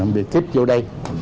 biệt kích vô đây